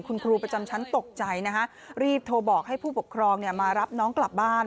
คุณครูประจำชั้นตกใจนะฮะรีบโทรบอกให้ผู้ปกครองมารับน้องกลับบ้าน